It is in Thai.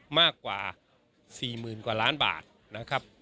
มากกว่า๔๐๐๐กว่าล้านบาทนะครับ